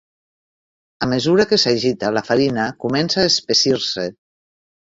A mesura que s'agita, la farina comença a espessir-se.